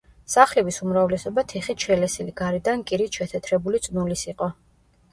სახლების უმრავლესობა თიხით შელესილი, გარედან კირით შეთეთრებული წნულის იყო.